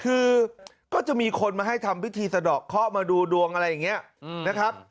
คือก็จะมีคนมาให้ทำพิธีสะดอกเคาะมาดูดวงอะไรอย่างนี้นะครับ